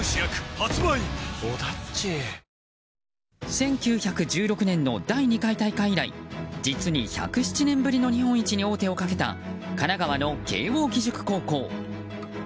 １９１６年の第２回大会以来実に１０７年ぶりの日本一に王手をかけた神奈川の慶応義塾高校。